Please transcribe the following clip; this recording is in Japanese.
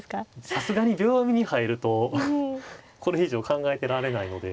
さすがに秒読みに入るとこれ以上考えてられないので。